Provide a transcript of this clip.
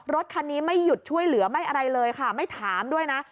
รถคันนี้ไม่หยุดช่วยเหลือไม่อะไรเลยค่ะไม่ถามด้วยนะ